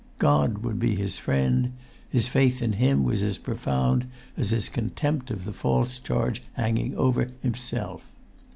God would be his friend; his faith in Him was as profound as his contempt of the false charge hanging over himself.